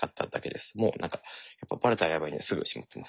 もう何かバレたらやばいんですぐしまってますね。